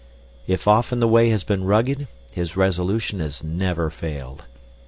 If often the way has been rugged, his resolution has never failed.